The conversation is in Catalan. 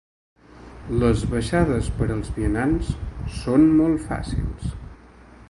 Les baixades per als vianants són molt fàcils.